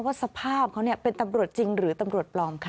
สภาพเขาเป็นตำรวจจริงหรือตำรวจปลอมค่ะ